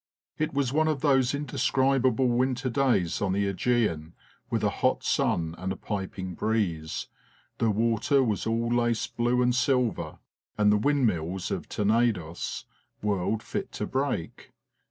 It was one of those indescribable winter days on the ^Egean, with a hot sun and a piping breeze : the water was all laced blue and silver, and the windmills of Tenedos whirled fit to break.